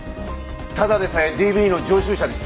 ただでさえＤＶの常習者です。